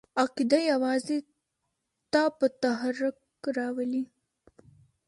عقیده یوازې تا په تحرک راولي!